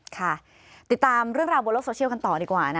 ค่ะติดตามเรื่องราวบนโลกโซเชียลกันต่อดีกว่า